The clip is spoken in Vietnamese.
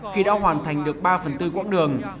khi đã hoàn thành được ba phần tư quãng đường